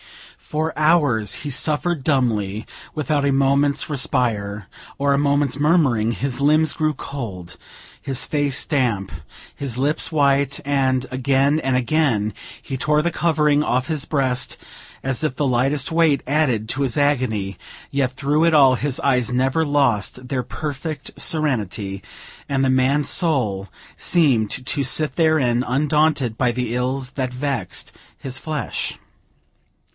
For hours he suffered dumbly, without a moment's respite, or a moment's murmuring; his limbs grew cold, his face damp, his lips white, and, again and again, he tore the covering off his breast, as if the lightest weight added to his agony; yet through it all, his eyes never lost their perfect serenity, and the man's soul seemed to sit therein, undaunted by the ills that vexed his flesh.